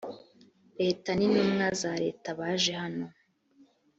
leta n intumwa za leta baje hano